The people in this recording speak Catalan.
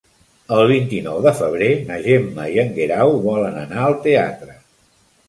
El vint-i-nou de febrer na Gemma i en Guerau volen anar al teatre.